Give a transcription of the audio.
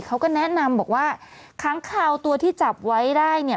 เขาก็แนะนำบอกว่าค้างคาวตัวที่จับไว้ได้เนี่ย